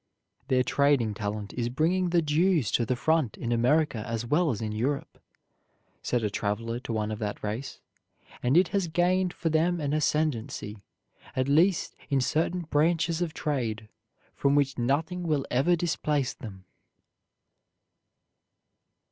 "Their trading talent is bringing the Jews to the front in America as well as in Europe," said a traveler to one of that race; "and it has gained for them an ascendency, at least in certain branches of trade, from which nothing will ever displace them."